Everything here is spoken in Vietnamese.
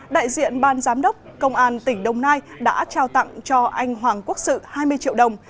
đại diện ban giám đốc công an tỉnh đồng nai đã trao tặng cho anh hoàng quốc sự hai mươi triệu đồng